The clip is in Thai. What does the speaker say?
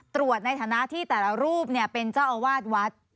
ตรวจในฐานะที่แต่ละรูปเป็นเจ้าอาวาสวัด